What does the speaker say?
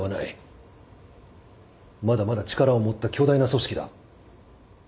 まだまだ力を持った巨大な組織だ。